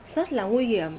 rất là nguy hiểm